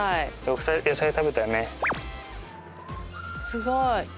すごい。